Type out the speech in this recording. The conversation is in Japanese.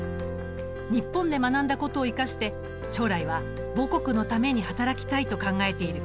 日本で学んだことを生かして将来は母国のために働きたいと考えている。